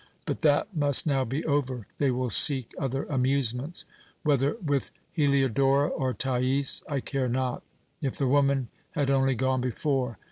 But that must now be over. They will seek other amusements, whether with Heliodora or Thais I care not. If the woman had only gone before!